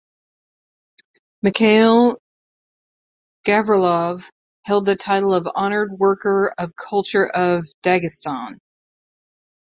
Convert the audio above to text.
Mikhail Gavrilov held the title of Honored Worker of Culture of Dagestan.